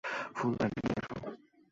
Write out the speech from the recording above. ফুলদানিটা নিয়ে এসো।